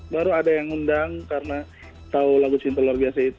baru ada yang ngundang karena tau lagu cinta luar biasa itu